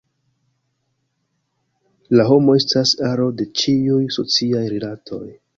La homo estas aro de ĉiuj sociaj rilatoj.